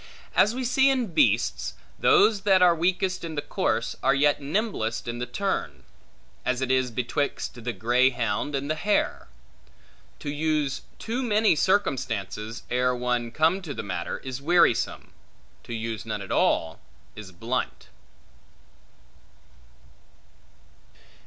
As we see in beasts, that those that are weakest in the course, are yet nimblest in the turn; as it is betwixt the greyhound and the hare. To use too many circumstances, ere one come to the matter, is wearisome; to use none at all, is blunt.